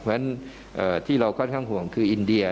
เพราะฉะนั้นที่เราค่อนข้างห่วงคืออินเดีย